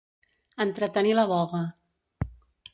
Entretenir la voga.